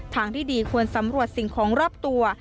ทางที่ดีควรสำรวจสิ่งของรอบตัว